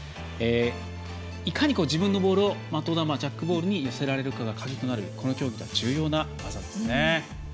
いかに自分のボールを的球、ジャックボールに寄せられるかが鍵となるこの競技の重要な技ですね。